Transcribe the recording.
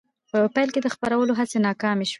په پیل کې د خپرولو هڅې ناکامې شوې.